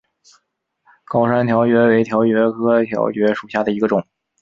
高山条蕨为条蕨科条蕨属下的一个种。